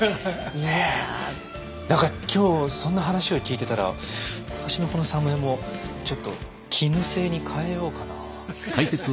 何か今日そんな話を聞いてたら私のこの作務衣もちょっと絹製に替えようかな。